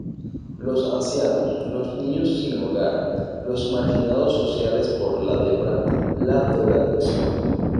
Los ancianos, los niños sin hogar, los marginados sociales por la lepra, la drogadicción.